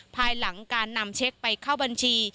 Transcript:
ภายหลังการนำเช็คไปเข้าบัญชี